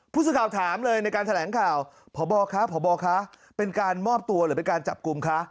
ผู้สื่อข่าวถามเลยในการแถลงข่าวพบคะพบคะเป็นการมอบตัวหรือเป็นการจับกลุ่มคะ